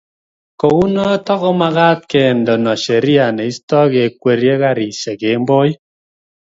kou noto komagaat kendeno Sheria neistoi kekwerie karishek kemboi